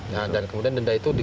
nah dan kemudian denda itu